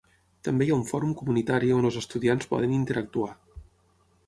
També hi ha un fòrum comunitari on els estudiants poden interactuar.